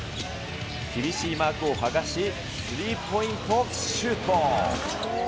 厳しいマークを剥がし、スリーポイントシュート。